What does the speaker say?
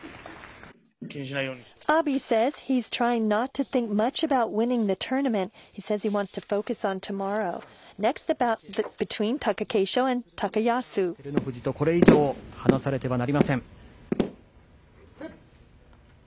優勝するためには照ノ富士とこれ以上離されてはなりません。